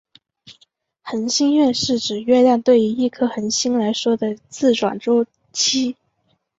恒星月是指月球对于一颗恒星来说的自转周期。